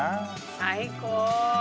最高。